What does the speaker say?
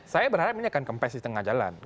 saya berharap ini akan kempes di tengah jalan